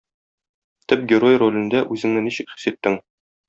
Төп герой ролендә үзеңне ничек хис иттең?